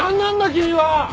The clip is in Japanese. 君は！